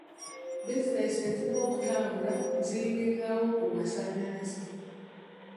Bizinesi ezimu okutambula ziyimirirawo ku masanyalaze.